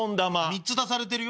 ３つ足されてるよ。